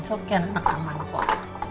kok kira anak aman kok